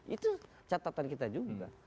itu catatan kita juga